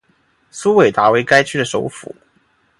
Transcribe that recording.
苏韦达为该区的首府。